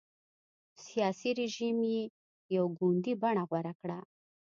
سیاسي رژیم یې یو ګوندي بڼه غوره کړه.